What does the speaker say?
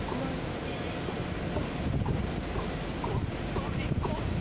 「こっそりこっそりこっそりこっそり」